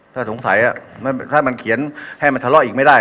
ถ้าสงสัยถ้ามันเขียนให้มันทะเลาะอีกไม่ได้